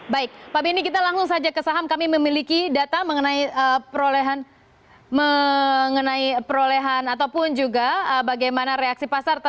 baik pak benny kita langsung saja ke saham kami memiliki data mengenai perolehan mengenai perolehan ataupun juga bagaimana reaksi pasar